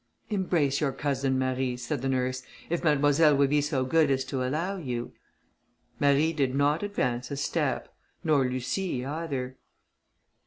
"Embrace your cousin, Marie," said the nurse, "if Mademoiselle will be so good as to allow you." Marie did not advance a step, nor Lucie either.